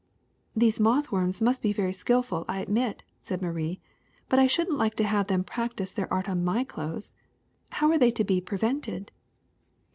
''These moth woiTns must be very skilful, I ad mit,'' said Marie, "but I should n't like to have them practice their art on my clothes. How are they to to be prevented?"